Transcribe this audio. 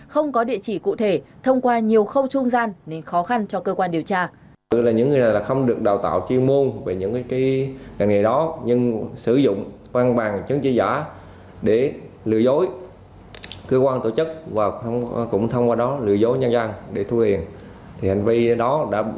không có địa chỉ cụ thể thông qua nhiều khâu trung gian nên khó khăn cho cơ quan điều tra